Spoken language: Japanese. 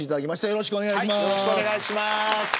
よろしくお願いします。